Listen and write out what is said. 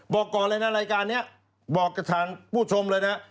บอกก่อนเลยนะรายการนี้บอกกับทางผู้ชมเลยนะ